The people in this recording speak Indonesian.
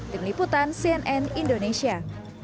tim liputan cnn indonesia